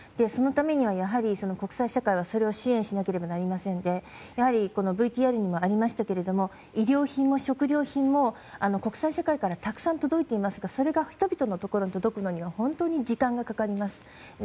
そのためにはやはり国際社会はそれを支援しなければなりませんでＶＴＲにもありましたけれども衣料品も食料品も国際社会からたくさん届いていますがそれが人々のところに届くのには本当に時間がかかります。